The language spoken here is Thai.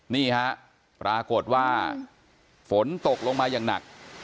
นี่ฮะปรากฏว่าฝนตกลงมาอย่างหนัก